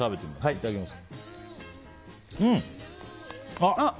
いただきます。